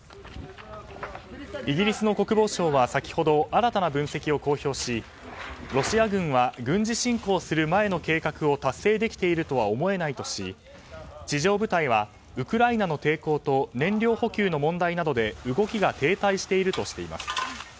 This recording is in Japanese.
イギリスの国防省は先ほど新たな分析を公表しロシア軍は軍事侵攻する前の計画を達成できているとは思えないとし地上部隊はウクライナの抵抗と燃料補給の問題などで動きが停滞しているとしています。